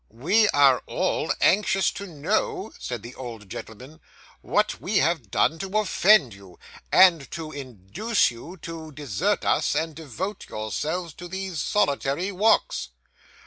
'We are all anxious to know,' said the old gentleman, 'what we have done to offend you, and to induce you to desert us and devote yourself to these solitary walks.